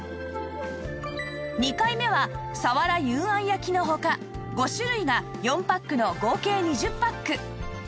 ２回目はサワラ幽庵焼のほか５種類が４パックの合計２０パック